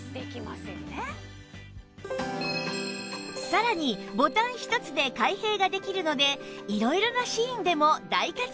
さらにボタン一つで開閉ができるので色々なシーンでも大活躍！